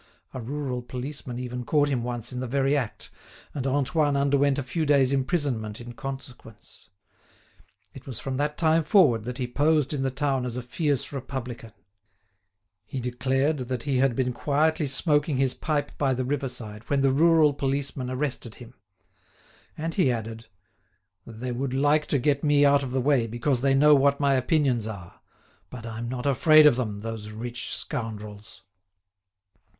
A rural policeman even caught him once in the very act, and Antoine underwent a few days' imprisonment in consequence. It was from that time forward that he posed in the town as a fierce Republican. He declared that he had been quietly smoking his pipe by the riverside when the rural policeman arrested him. And he added: "They would like to get me out of the way because they know what my opinions are. But I'm not afraid of them, those rich scoundrels."